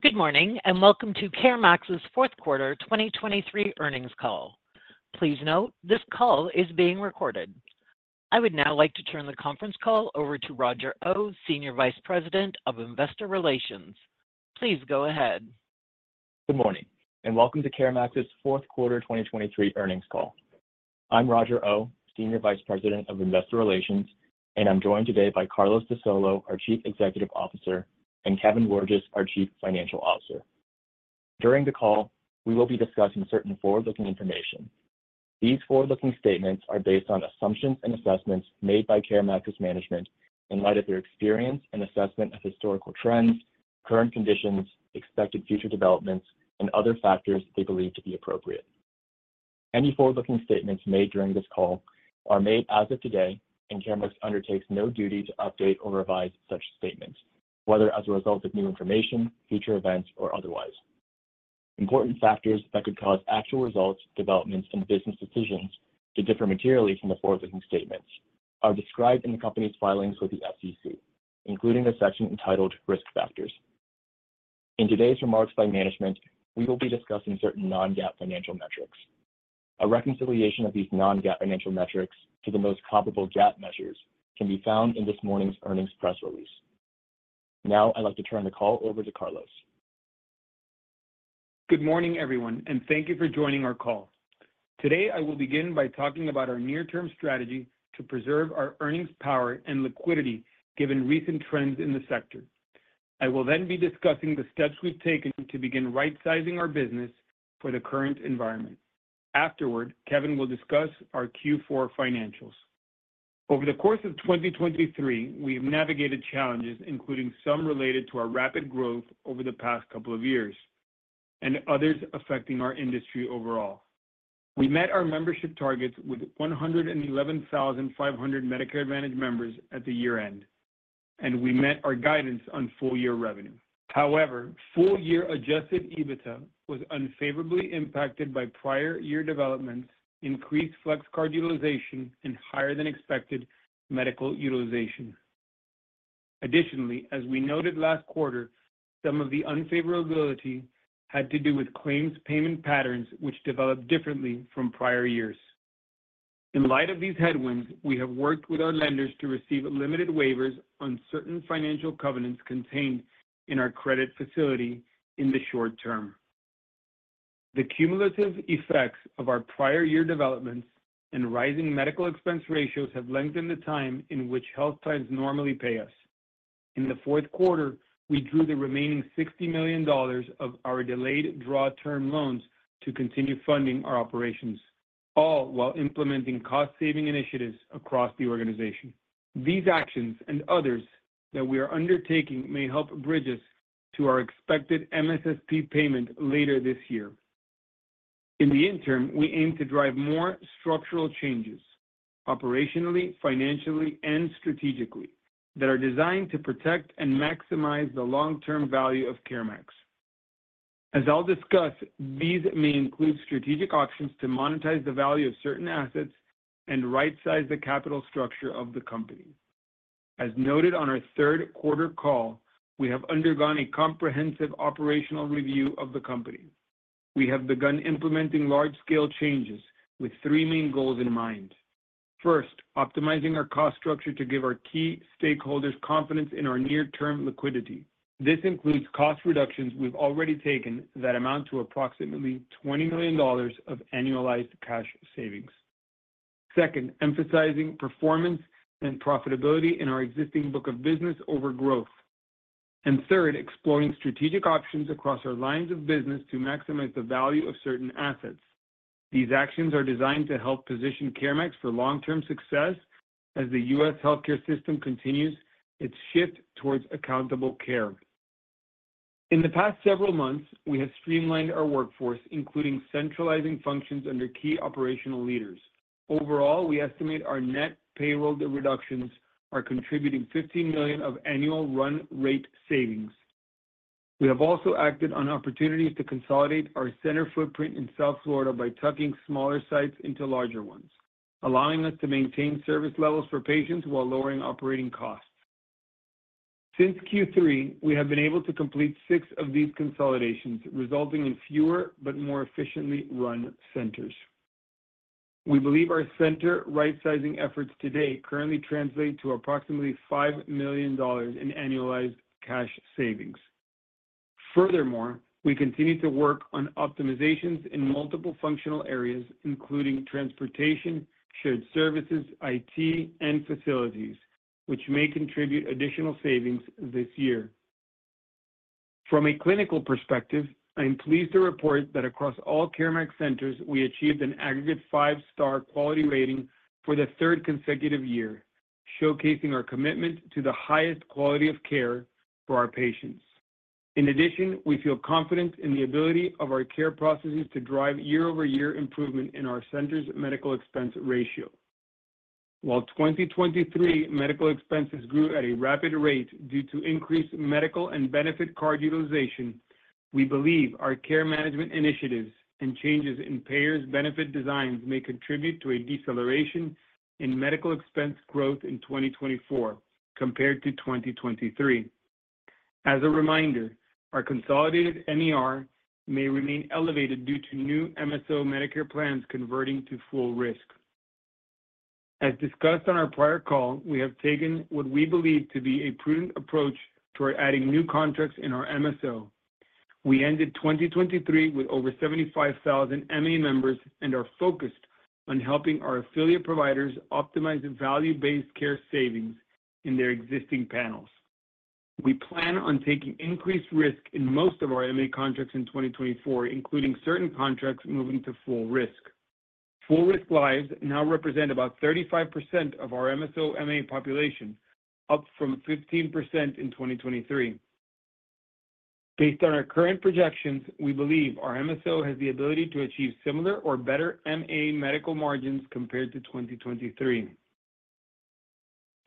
Good morning and welcome to CareMax's fourth quarter 2023 earnings call. Please note this call is being recorded. I would now like to turn the conference call over to Roger Oh, Senior Vice President of Investor Relations. Please go ahead. Good morning and welcome to CareMax's fourth quarter 2023 earnings call. I'm Roger Oh, Senior Vice President of Investor Relations, and I'm joined today by Carlos de Solo, our Chief Executive Officer, and Kevin Wirges, our Chief Financial Officer. During the call, we will be discussing certain forward-looking information. These forward-looking statements are based on assumptions and assessments made by CareMax's management in light of their experience and assessment of historical trends, current conditions, expected future developments, and other factors they believe to be appropriate. Any forward-looking statements made during this call are made as of today, and CareMax undertakes no duty to update or revise such statements, whether as a result of new information, future events, or otherwise. Important factors that could cause actual results, developments, and business decisions to differ materially from the forward-looking statements are described in the company's filings with the SEC, including the section entitled Risk Factors. In today's remarks by management, we will be discussing certain non-GAAP financial metrics. A reconciliation of these non-GAAP financial metrics to the most comparable GAAP measures can be found in this morning's earnings press release. Now I'd like to turn the call over to Carlos. Good morning, everyone, and thank you for joining our call. Today I will begin by talking about our near-term strategy to preserve our earnings power and liquidity given recent trends in the sector. I will then be discussing the steps we've taken to begin right-sizing our business for the current environment. Afterward, Kevin will discuss our Q4 financials. Over the course of 2023, we have navigated challenges, including some related to our rapid growth over the past couple of years and others affecting our industry overall. We met our membership targets with 111,500 Medicare Advantage members at the year-end, and we met our guidance on full-year revenue. However, full-year Adjusted EBITDA was unfavorably impacted by prior year developments, increased Flex Card utilization, and higher-than-expected medical utilization. Additionally, as we noted last quarter, some of the unfavorability had to do with claims payment patterns, which developed differently from prior years. In light of these headwinds, we have worked with our lenders to receive limited waivers on certain financial covenants contained in our credit facility in the short term. The cumulative effects of our prior year developments and rising medical expense ratios have lengthened the time in which health plans normally pay us. In the fourth quarter, we drew the remaining $60 million of our delayed draw term loans to continue funding our operations, all while implementing cost-saving initiatives across the organization. These actions and others that we are undertaking may help bridge us to our expected MSSP payment later this year. In the interim, we aim to drive more structural changes, operationally, financially, and strategically, that are designed to protect and maximize the long-term value of CareMax. As I'll discuss, these may include strategic options to monetize the value of certain assets and right-size the capital structure of the company. As noted on our third quarter call, we have undergone a comprehensive operational review of the company. We have begun implementing large-scale changes with three main goals in mind. First, optimizing our cost structure to give our key stakeholders confidence in our near-term liquidity. This includes cost reductions we've already taken that amount to approximately $20 million of annualized cash savings. Second, emphasizing performance and profitability in our existing book of business over growth. And third, exploring strategic options across our lines of business to maximize the value of certain assets. These actions are designed to help position CareMax for long-term success as the U.S. healthcare system continues its shift towards accountable care. In the past several months, we have streamlined our workforce, including centralizing functions under key operational leaders. Overall, we estimate our net payroll reductions are contributing $15 million of annual run-rate savings. We have also acted on opportunities to consolidate our center footprint in South Florida by tucking smaller sites into larger ones, allowing us to maintain service levels for patients while lowering operating costs. Since Q3, we have been able to complete six of these consolidations, resulting in fewer but more efficiently run centers. We believe our center right-sizing efforts today currently translate to approximately $5 million in annualized cash savings. Furthermore, we continue to work on optimizations in multiple functional areas, including transportation, shared services, IT, and facilities, which may contribute additional savings this year. From a clinical perspective, I am pleased to report that across all CareMax centers, we achieved an aggregate five-star quality rating for the third consecutive year, showcasing our commitment to the highest quality of care for our patients. In addition, we feel confident in the ability of our care processes to drive year-over-year improvement in our center's medical expense ratio. While 2023 medical expenses grew at a rapid rate due to increased medical and benefit card utilization, we believe our care management initiatives and changes in payers' benefit designs may contribute to a deceleration in medical expense growth in 2024 compared to 2023. As a reminder, our consolidated MER may remain elevated due to new MSO Medicare plans converting to full risk. As discussed on our prior call, we have taken what we believe to be a prudent approach toward adding new contracts in our MSO. We ended 2023 with over 75,000 MA members and are focused on helping our affiliate providers optimize value-based care savings in their existing panels. We plan on taking increased risk in most of our MA contracts in 2024, including certain contracts moving to full risk. Full-risk lives now represent about 35% of our MSO MA population, up from 15% in 2023. Based on our current projections, we believe our MSO has the ability to achieve similar or better MA medical margins compared to 2023.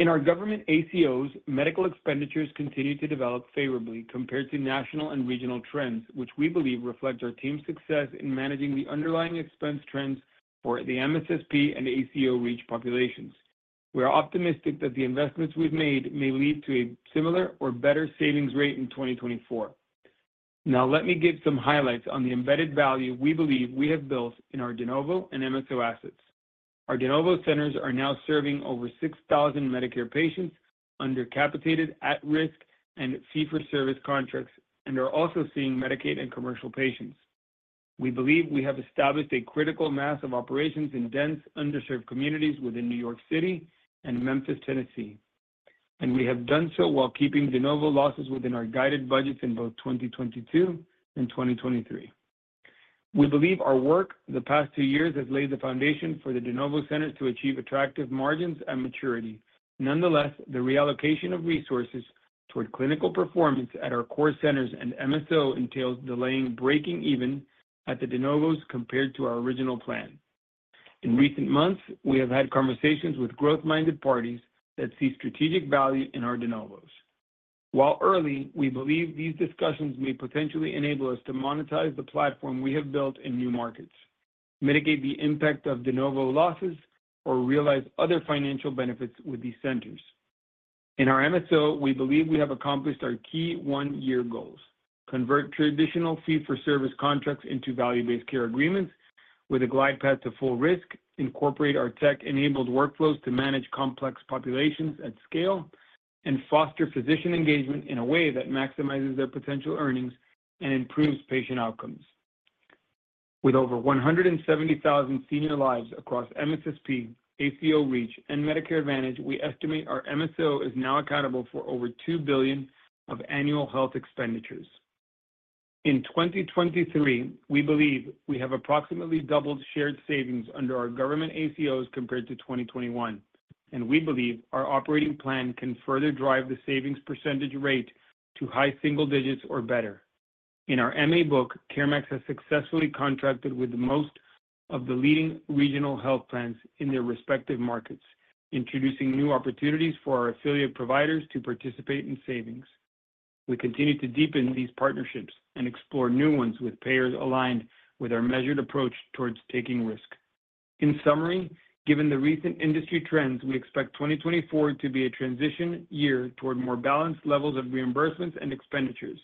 In our government ACOs, medical expenditures continue to develop favorably compared to national and regional trends, which we believe reflect our team's success in managing the underlying expense trends for the MSSP and ACO REACH populations. We are optimistic that the investments we've made may lead to a similar or better savings rate in 2024. Now let me give some highlights on the embedded value we believe we have built in our de novo and MSO assets. Our de novo centers are now serving over 6,000 Medicare patients under capitated at-risk and fee-for-service contracts and are also seeing Medicaid and commercial patients. We believe we have established a critical mass of operations in dense, underserved communities within New York City and Memphis, Tennessee, and we have done so while keeping de novo losses within our guided budgets in both 2022 and 2023. We believe our work the past two years has laid the foundation for the de novo centers to achieve attractive margins and maturity. Nonetheless, the reallocation of resources toward clinical performance at our core centers and MSO entails delaying breaking even at the de novos compared to our original plan. In recent months, we have had conversations with growth-minded parties that see strategic value in our de novos. While early, we believe these discussions may potentially enable us to monetize the platform we have built in new markets, mitigate the impact of de novo losses, or realize other financial benefits with these centers. In our MSO, we believe we have accomplished our key one-year goals: convert traditional fee-for-service contracts into value-based care agreements with a glide path to full risk, incorporate our tech-enabled workflows to manage complex populations at scale, and foster physician engagement in a way that maximizes their potential earnings and improves patient outcomes. With over 170,000 senior lives across MSSP, ACO REACH, and Medicare Advantage, we estimate our MSO is now accountable for over $2 billion of annual health expenditures. In 2023, we believe we have approximately doubled shared savings under our government ACOs compared to 2021, and we believe our operating plan can further drive the savings percentage rate to high single digits or better. In our MA book, CareMax has successfully contracted with most of the leading regional health plans in their respective markets, introducing new opportunities for our affiliate providers to participate in savings. We continue to deepen these partnerships and explore new ones with payers aligned with our measured approach towards taking risk. In summary, given the recent industry trends, we expect 2024 to be a transition year toward more balanced levels of reimbursements and expenditures.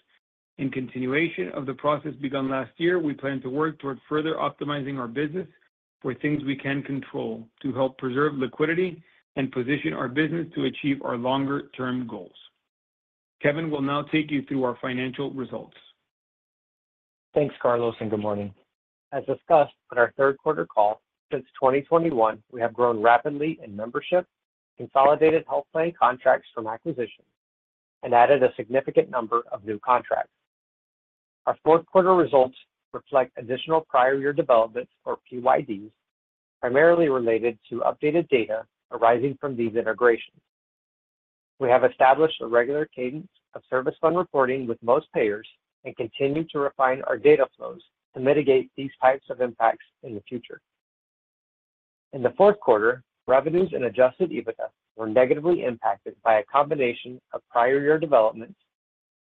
In continuation of the process begun last year, we plan to work toward further optimizing our business for things we can control to help preserve liquidity and position our business to achieve our longer-term goals. Kevin will now take you through our financial results. Thanks, Carlos, and good morning. As discussed on our third quarter call, since 2021, we have grown rapidly in membership, consolidated health plan contracts from acquisitions, and added a significant number of new contracts. Our fourth quarter results reflect additional prior year developments, or PYDs, primarily related to updated data arising from these integrations. We have established a regular cadence of service fund reporting with most payers and continue to refine our data flows to mitigate these types of impacts in the future. In the fourth quarter, revenues and Adjusted EBITDA were negatively impacted by a combination of prior year developments,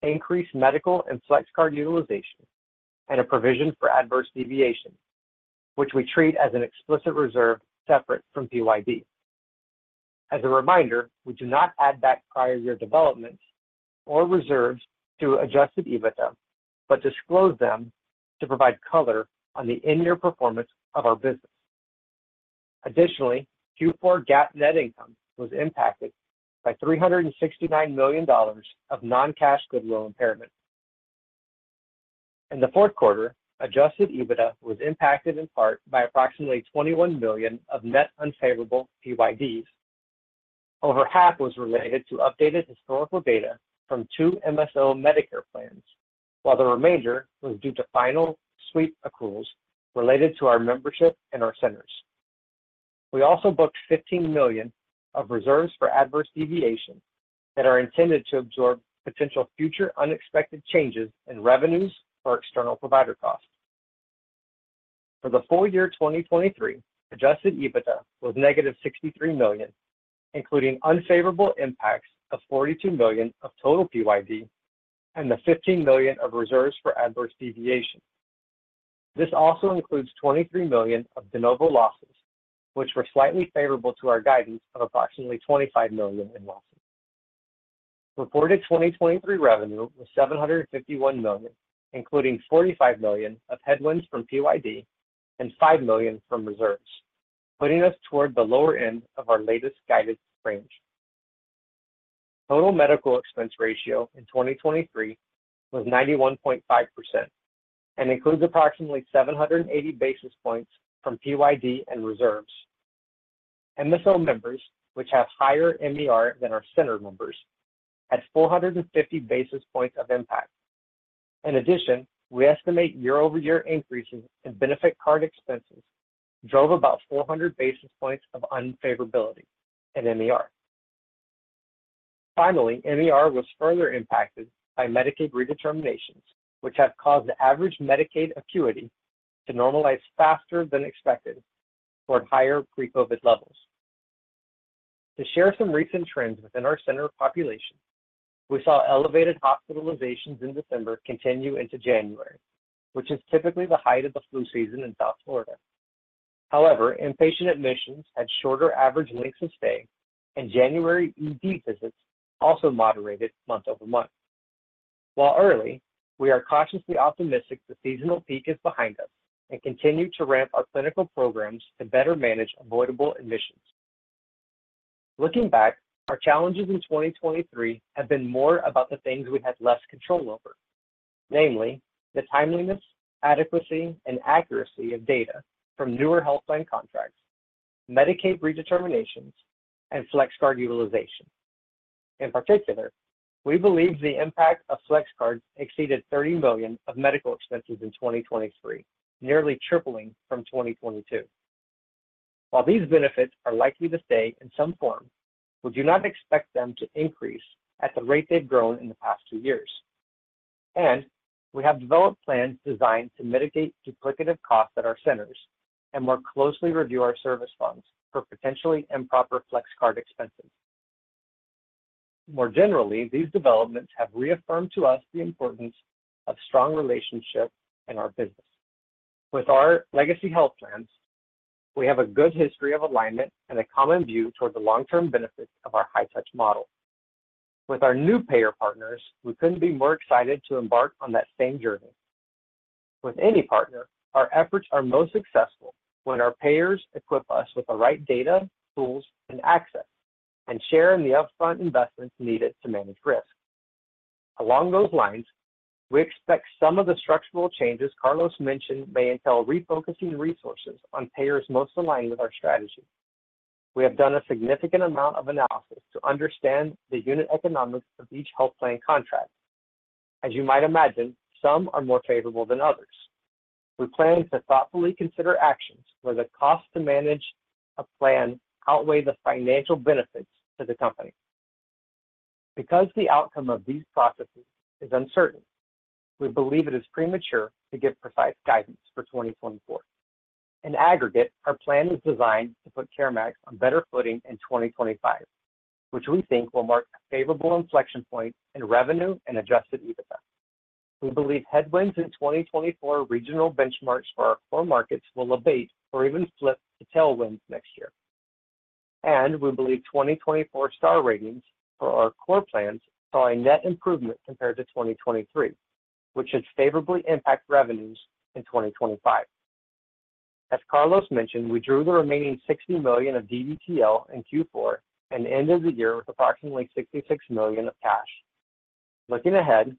increased medical and flex card utilization, and a provision for adverse deviation, which we treat as an explicit reserve separate from PYD. As a reminder, we do not add back prior year developments or reserves to Adjusted EBITDA but disclose them to provide color on the in-year performance of our business. Additionally, Q4 GAAP net income was impacted by $369 million of non-cash goodwill impairment. In the fourth quarter, Adjusted EBITDA was impacted in part by approximately $21 million of net unfavorable PYDs. Over half was related to updated historical data from two MSO Medicare plans, while the remainder was due to final sweep accruals related to our membership and our centers. We also booked $15 million of reserves for adverse deviation that are intended to absorb potential future unexpected changes in revenues or external provider costs. For the full year 2023, Adjusted EBITDA was negative $63 million, including unfavorable impacts of $42 million of total PYD and the $15 million of reserves for adverse deviation. This also includes $23 million of de novo losses, which were slightly favorable to our guidance of approximately $25 million in losses. Reported 2023 revenue was $751 million, including $45 million of headwinds from PYD and $5 million from reserves, putting us toward the lower end of our latest guided range. Total medical expense ratio in 2023 was 91.5% and includes approximately 780 basis points from PYD and reserves. MSO members, which have higher MER than our center members, had 450 basis points of impact. In addition, we estimate year-over-year increases in benefit card expenses drove about 400 basis points of unfavorability in MER. Finally, MER was further impacted by Medicaid redeterminations, which have caused the average Medicaid acuity to normalize faster than expected toward higher pre-COVID levels. To share some recent trends within our center population, we saw elevated hospitalizations in December continue into January, which is typically the height of the flu season in South Florida. However, inpatient admissions had shorter average lengths of stay, and January ED visits also moderated month-over-month. While early, we are cautiously optimistic the seasonal peak is behind us and continue to ramp our clinical programs to better manage avoidable admissions. Looking back, our challenges in 2023 have been more about the things we had less control over, namely the timeliness, adequacy, and accuracy of data from newer health plan contracts, Medicaid redeterminations, and flex card utilization. In particular, we believe the impact of flex cards exceeded $30 million of medical expenses in 2023, nearly tripling from 2022. While these benefits are likely to stay in some form, we do not expect them to increase at the rate they've grown in the past two years. We have developed plans designed to mitigate duplicative costs at our centers and more closely review our service funds for potentially improper Flex Card expenses. More generally, these developments have reaffirmed to us the importance of strong relationships in our business. With our legacy health plans, we have a good history of alignment and a common view toward the long-term benefits of our high-touch model. With our new payer partners, we couldn't be more excited to embark on that same journey. With any partner, our efforts are most successful when our payers equip us with the right data, tools, and access, and share in the upfront investments needed to manage risk. Along those lines, we expect some of the structural changes Carlos mentioned may entail refocusing resources on payers most aligned with our strategy. We have done a significant amount of analysis to understand the unit economics of each health plan contract. As you might imagine, some are more favorable than others. We plan to thoughtfully consider actions where the costs to manage a plan outweigh the financial benefits to the company. Because the outcome of these processes is uncertain, we believe it is premature to give precise guidance for 2024. In aggregate, our plan is designed to put CareMax on better footing in 2025, which we think will mark a favorable inflection point in revenue and Adjusted EBITDA. We believe headwinds in 2024 regional benchmarks for our core markets will abate or even flip to tailwinds next year. We believe 2024 star ratings for our core plans saw a net improvement compared to 2023, which should favorably impact revenues in 2025. As Carlos mentioned, we drew the remaining $60 million of DDTL in Q4 and ended the year with approximately $66 million of cash. Looking ahead,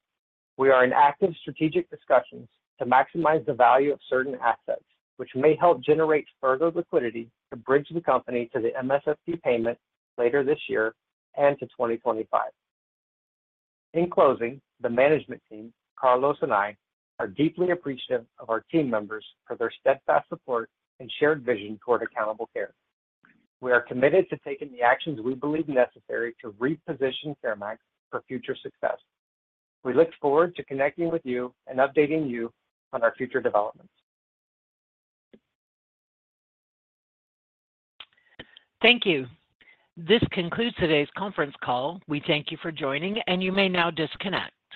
we are in active strategic discussions to maximize the value of certain assets, which may help generate further liquidity to bridge the company to the MSSP payment later this year and to 2025. In closing, the management team, Carlos and I, are deeply appreciative of our team members for their steadfast support and shared vision toward accountable care. We are committed to taking the actions we believe necessary to reposition CareMax for future success. We look forward to connecting with you and updating you on our future developments. Thank you. This concludes today's conference call. We thank you for joining, and you may now disconnect.